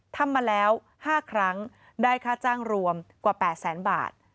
ทำมาแล้ว๕ครั้งได้ค่าจ้างรวมกว่า๘แสนบาท